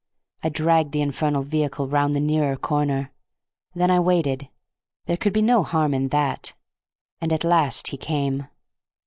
I dragged the infernal vehicle round the nearer corner. Then I waited—there could be no harm in that—and at last he came.